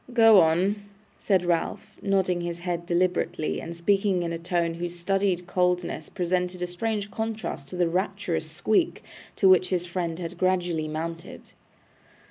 'Go on,' said Ralph, nodding his head deliberately, and speaking in a tone whose studied coldness presented a strange contrast to the rapturous squeak to which his friend had gradually mounted.